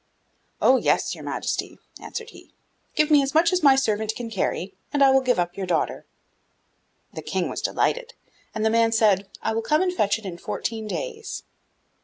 'Oh, yes, your Majesty,' answered he, 'give me as much as my servant can carry, and I will give up your daughter.' The King was delighted, and the man said, 'I will come and fetch it in fourteen days.